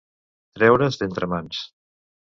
Treure's d'entre mans.